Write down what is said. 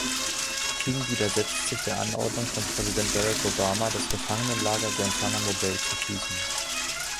King widersetzt sich der Anordnung von Präsident Barack Obama, das Gefangenenlager Guantanamo Bay zu schließen.